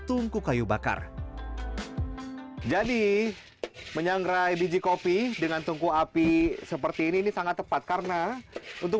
tungku kayu bakar jadi menyangrai biji kopi dengan tungku api seperti ini ini sangat tepat karena untuk